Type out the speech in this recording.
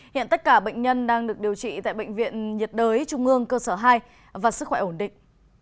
hiện tất cả bệnh nhân đang được điều trị tại bệnh viện nhiệt đới trung ương cơ sở hai và sức khỏe ổn định